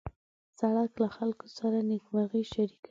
سړک له خلکو سره نېکمرغي شریکوي.